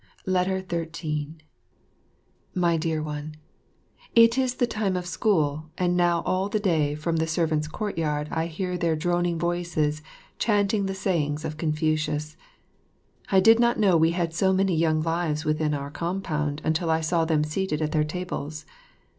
13 My Dear One, It is the time of school, and now all the day from the servants' courtyard I hear their droning voices chanting the sayings of Confucius. I did not know we had so many young lives within our compound until I saw them seated at their tables.